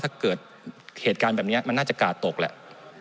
ถ้าเกิดเหตุการณ์แบบนี้มันน่าจะกาดตกแหละ